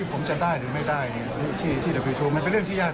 เพราะว่าอาจจะต้องขอกลับไปไล่ตามผิดหน่าน